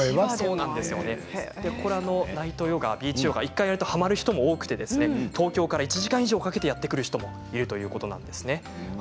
ナイトヨガ、ビーチヨガ１回やるとはまる人も多くて東京から１時間１かけてやって来る人もいるということなんですね。